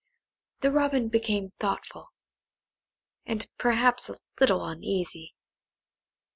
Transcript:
The Robin became thoughtful, and perhaps a little uneasy.